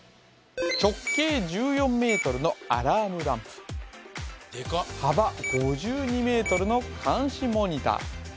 直径１４ｍのアラームランプ幅５２ｍの監視モニター